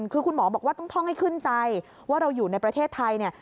คือคุณหมอบอกว่าต้องท่องให้ขึ้นใจว่าเราอยู่ในประเทศไทยเนี่ย